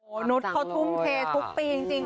โอ้นุษย์เขาทุ่มเททุกปีจริงค่ะ